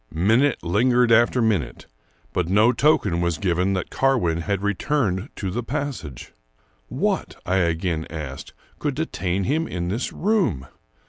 Minute lingered after minute, but no token was given that Carwin had returned to the passage. What, I again asked, could detain him in this room?